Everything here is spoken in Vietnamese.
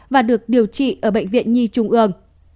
và được điều trị ở bệnh viện nhi trung ương